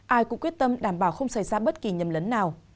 ai cũng quyết tâm đảm bảo không xảy ra bất kỳ nhầm lấn nào